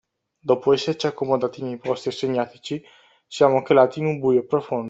Dopo esserci accomodati nei posti assegnatici siamo calati in un buio profondo